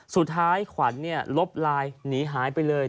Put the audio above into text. สุดท้ายขวัญลบไลน์หนีหายไปเลย